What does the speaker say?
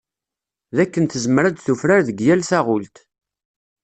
Dakken tezmer ad d-tufrar deg yal taɣult.